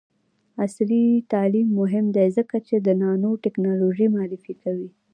عصري تعلیم مهم دی ځکه چې د نانوټیکنالوژي معرفي کوي.